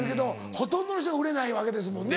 ほとんどの人が売れないわけですもんね。